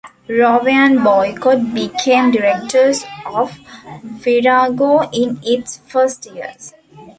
Rowe and Boycott became directors of Virago in its first years.